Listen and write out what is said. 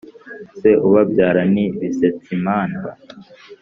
Se ubabyara ni Bisetsimandwa